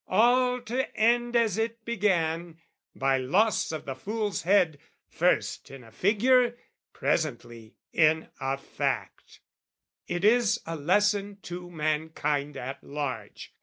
all to end As it began by loss of the fool's head, First in a figure, presently in a fact. It is a lesson to mankind at large.